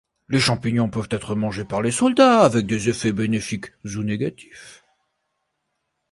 Les champignons peuvent être mangés par les soldats avec des effets bénéfiques ou négatifs.